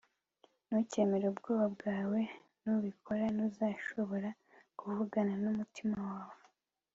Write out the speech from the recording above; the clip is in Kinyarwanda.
ntukemere ubwoba bwawe nubikora, ntuzashobora kuvugana n'umutima wawe